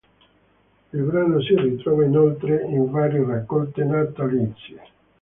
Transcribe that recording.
Il brano si ritrova inoltre in varie raccolte natalizie.